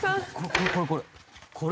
これこれこれこれ。